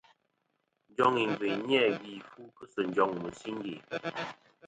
Njoŋ ìngviyn ni-a gvi fu kɨ sɨ njoŋ mɨ̀singe.